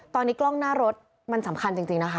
ตอนนี้กล้องหน้ารถมันสำคัญจริงนะคะ